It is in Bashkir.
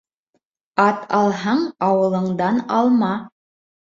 Ат алһаң, ауылыңдан алма.